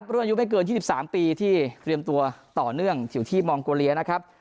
รุ่นอายุไม่เกิน๒๓ปีที่เตรียมตัวต่อเนื่องอยู่ที่มองโกเลียนะครับ